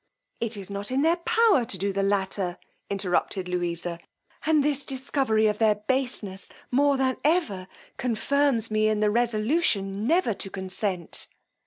It is not in their power to do the latter, interrupted Louisa; and this discovery of their baseness, more than ever, confirms me in the resolution never to consent.